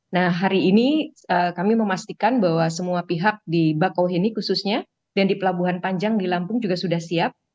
nah hari ini kami memastikan bahwa semua pihak di bakauheni khususnya dan di pelabuhan panjang di lampung juga sudah siap